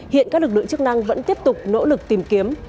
hiện các lực lượng chức năng vẫn tiếp tục nỗ lực tìm kiếm